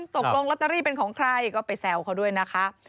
ตกลงลอตเตอรี่เป็นของใครก็ไปแซวเขาด้วยนะคะ